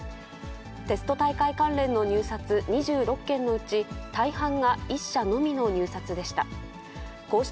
テスト大会関連の入札２６件のうち、大半が１社のみの入札でした。